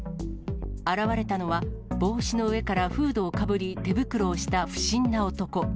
現れたのは、帽子の上からフードをかぶり手袋をした不審な男。